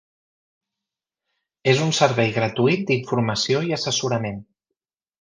És un servei gratuït d'informació i assessorament.